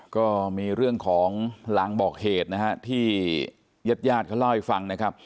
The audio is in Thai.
ก็มีเรื่องของลางบอกเหตุนะฮะที่ญาติญาติเขาเล่าให้ฟังนะครับ